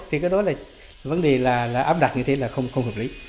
thì cái đó là vấn đề là áp đặt như thế là không hợp lý